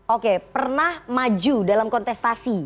oke pernah maju dalam kontestasi